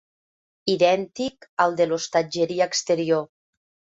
Idèntic al de l'hostatgeria exterior.